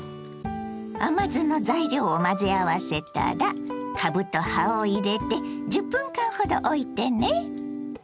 甘酢の材料を混ぜ合わせたらかぶと葉を入れて１０分間ほどおいてね。